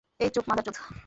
এই চুপ, মাদারচোদ!